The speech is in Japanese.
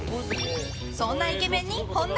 そんなイケメンに本題！